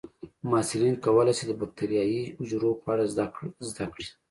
محصلین کولی شي د بکټریايي حجرو په اړه زده کړي.